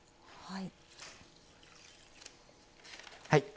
はい。